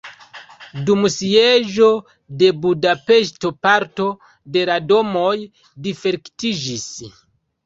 Dum sieĝo de Budapeŝto parto de la domoj difektiĝis.